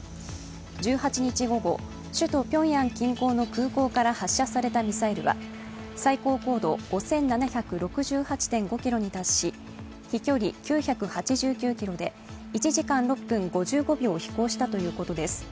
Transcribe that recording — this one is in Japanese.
１８日午後、首都・ピョンヤン近郊の空港から発射されたミサイルは最高高度５７６８．５ｋｍに達し飛距離９８９ｋｍで１時間６分５５秒飛行したということです。